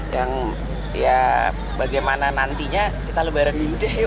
yang ya bagaimana nantinya kita lebaran ini udah yuk